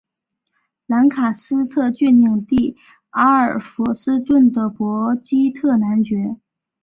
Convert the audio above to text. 兰卡斯特郡领地阿尔弗斯顿的伯基特男爵。